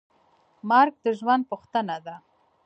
مرګ د ژوند پوښتنه ده.